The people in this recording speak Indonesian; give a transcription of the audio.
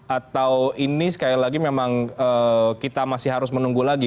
atau ini sekali lagi memang kita masih harus menunggu lagi